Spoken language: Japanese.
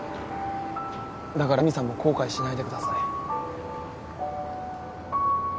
だから恵美さんも後悔しないでください。